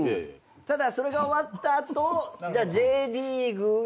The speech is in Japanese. ただそれが終わった後じゃあＪリーグにいくか。